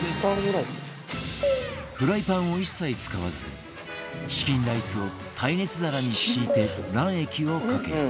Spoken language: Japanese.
フライパンを一切使わずチキンライスを耐熱皿に敷いて卵液をかける